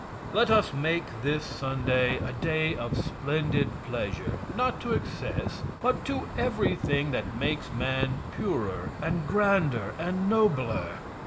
Let us make this Sunday a day of splendid pleasure, not to excess, but to everything that makes man purer and grander and nobler.